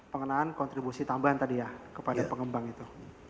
pengenaan kontribusi tambahan tadi ya kepada pengembang itu